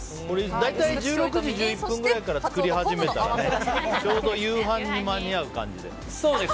大体１６時１１分くらいから作り始めたらちょうど夕飯に間に合う感じで。